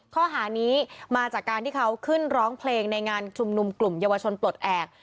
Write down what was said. ข้อหานี้มาจากการที่เขาขึ้นร้องเพลงในงานชุมนุมกลุ่มเยาวชนปลดแอบ